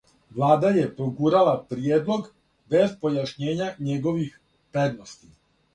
Влада је прогурала приједлог без појашњавања његових предности.